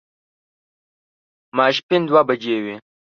ماسپښين دوه بجې وې.